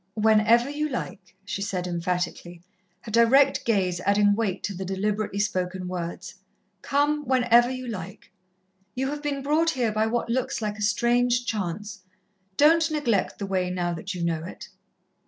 "Whenever you like," she said emphatically, her direct gaze adding weight to the deliberately spoken words. "Come whenever you like. You have been brought here by what looks like a strange chance. Don't neglect the way now that you know it."